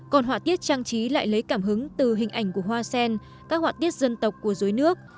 còn họa tiết trang trí lại lấy cảm hứng từ hình ảnh của hoa sen các họa tiết dân tộc của dối nước